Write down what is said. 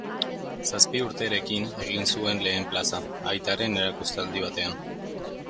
Zazpi urterekin egin zuen lehen plaza, aitaren erakustaldi batean.